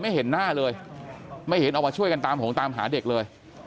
เห็นหน้าเลยไม่เห็นเอามาช่วยกันตามหงตามหาเด็กเลย